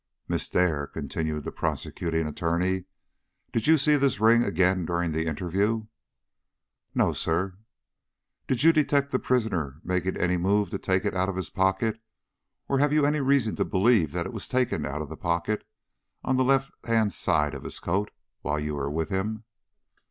"Miss Dare," continued the Prosecuting Attorney, "did you see this ring again during the interview?" "No, sir." "Did you detect the prisoner making any move to take it out of his pocket, or have you any reason to believe that it was taken out of the pocket on the left hand side of his coat while you were with him?"